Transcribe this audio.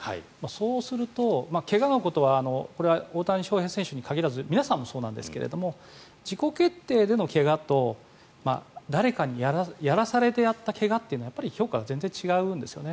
そうすると、怪我のことはこれは大谷翔平選手に限らず皆さんもそうなんですが自己決定での怪我と誰かにやらされてやった怪我というのはやっぱり評価が全然違うんですね。